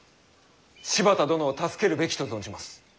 柴田殿を助けるべきと存じます。